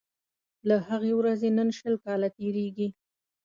له هغې ورځي نن شل کاله تیریږي